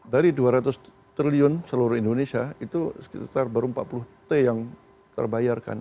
dari dua ratus triliun seluruh indonesia itu sekitar baru empat puluh t yang terbayarkan